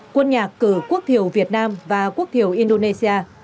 quân nhạc cử quốc thiểu việt nam và quốc thiểu indonesia